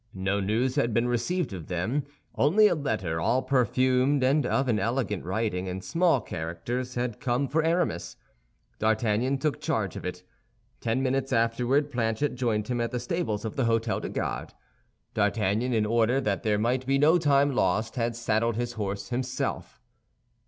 No news had been received of them; only a letter, all perfumed and of an elegant writing in small characters, had come for Aramis. D'Artagnan took charge of it. Ten minutes afterward Planchet joined him at the stables of the Hôtel des Gardes. D'Artagnan, in order that there might be no time lost, had saddled his horse himself.